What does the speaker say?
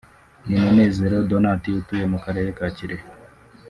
ni Munezero Donat utuye mu Karere ka Kirehe